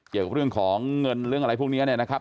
เกี่ยวกับเรื่องของเงินเรื่องอะไรพวกนี้เนี่ยนะครับ